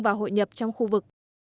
và hội nhập trong khu vực